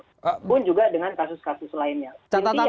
pun juga dengan kasus kasus lainnya